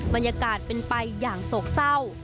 บรรยากาศเป็นไปอย่างโศกเศร้า